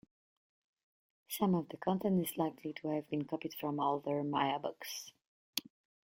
Some of the content is likely to have been copied from older Maya books.